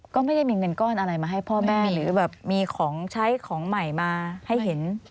ก็ไม่ได้มีเงินก้อนอะไรมาให้พ่อแม่หรือแบบมีของใช้ของใหม่มาให้เห็น